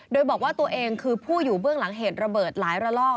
โดยบอกว่าตัวเองคือผู้อยู่เบื้องหลังเหตุระเบิดหลายระลอก